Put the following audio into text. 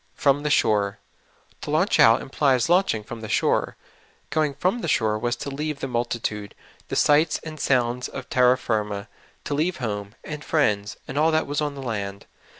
''From the shore.'' To launch out implies launching from the shore. Going from the shore was to leave the multitude, the sights and sounds of terra 86 SOUL FOOD. Jirma ; to leave home, and friends, and all that was on the land.